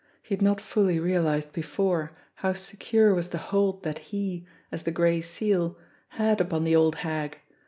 He had not fully realised before how secure was the hold that he, as the Gray Seal, had upon the old hag